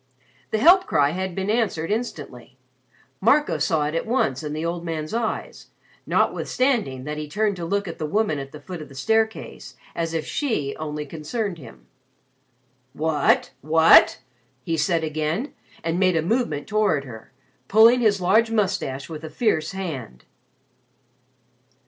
The Help cry had been answered instantly. Marco saw it at once in the old man's eyes, notwithstanding that he turned to look at the woman at the foot of the staircase as if she only concerned him. "What! What!" he said again, and made a movement toward her, pulling his large moustache with a fierce hand.